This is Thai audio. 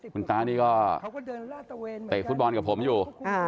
คุณตานี่ก็เดินเตะฟุตบอลกับผมอยู่